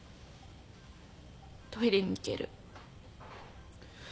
トイレに行ける。